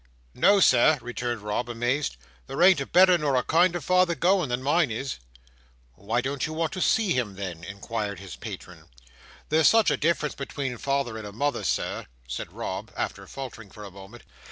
"No, Sir!" returned Rob, amazed. "There ain't a better nor a kinder father going, than mine is." "Why don't you want to see him then?" inquired his patron. "There's such a difference between a father and a mother, Sir," said Rob, after faltering for a moment.